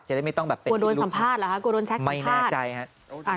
จะได้ไม่ต้องแบบเป็นอีกลูกไม่แน่ใจฮะ